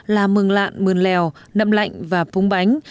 là mừng lạn mừng lèo năm lạnh và pung bánh